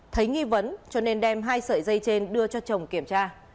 thấy nghi vấn cho nên đem hai sợi dây trên đưa cho chồng kiểm tra